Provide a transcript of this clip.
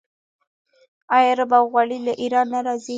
آیا رب او غوړي له ایران نه راځي؟